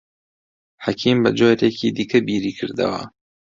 حەکیم بە جۆرێکی دیکە بیری کردەوە.